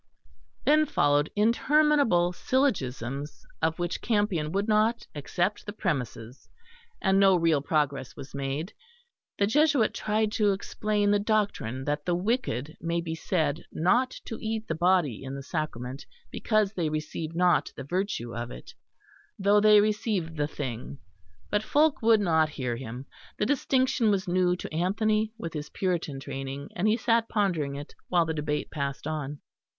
Then followed interminable syllogisms, of which Campion would not accept the premises; and no real progress was made. The Jesuit tried to explain the doctrine that the wicked may be said not to eat the Body in the Sacrament, because they receive not the virtue of It, though they receive the Thing; but Fulke would not hear him. The distinction was new to Anthony, with his puritan training, and he sat pondering it while the debate passed on.